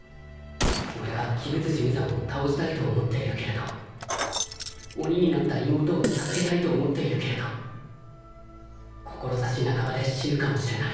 俺は鬼舞辻無惨を倒したいと思っているけれど鬼になった妹を助けたいと思っているけれど志半ばで死ぬかもしれない。